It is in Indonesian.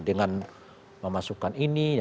dengan memasukkan ini